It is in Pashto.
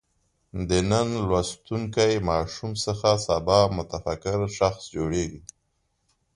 د نن لوستونکی ماشوم څخه سبا متفکر شخص جوړېږي.